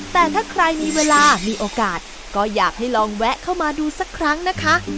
แต่ถ้าใครมีเวลามีโอกาสก็อยากให้ลองแวะเข้ามาดูสักครั้งนะคะ